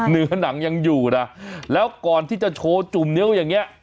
หนังยังอยู่นะแล้วก่อนที่จะโชว์จุ่มนิ้วอย่างนี้